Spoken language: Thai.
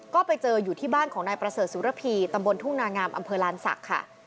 ก็ไปเจออยู่ที่บ้านของนายประเสริฐสุรพีตำบลทุ่งนางามอำเภอลานศักดิ์ค่ะ